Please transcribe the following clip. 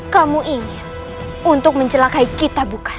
kamu ingin untuk mencelakai kita bukan